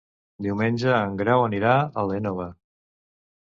Diumenge en Grau anirà a l'Énova.